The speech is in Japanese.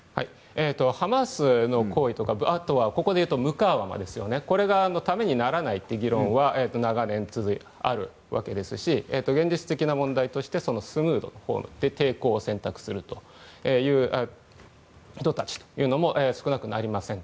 ハマスの行為とかここで言うとムカーワマですがこれがためにならないという議論は長年、あるわけですし現実的な問題として、スムード抵抗を選択する人たちも少なくありません。